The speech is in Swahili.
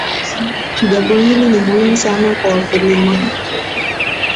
jambo hili ni muhimu sana kwa wakulima